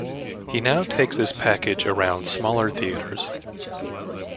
He now takes this package around smaller theatres.